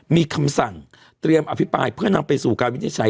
มีคำสั่งเตรียมอภิปรายเพื่อนำไปสู่การวินิจฉัย